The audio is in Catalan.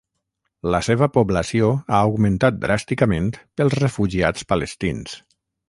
La seva població ha augmentat dràsticament pels refugiats palestins.